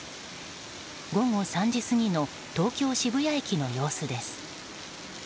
午後３時過ぎの東京・渋谷駅の様子です。